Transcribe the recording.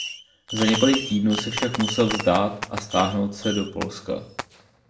Za několik týdnů se však musel vzdát a stáhnout se do Polska.